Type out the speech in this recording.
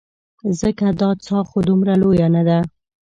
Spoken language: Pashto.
ځکه دا څاه خو دومره لویه نه ده.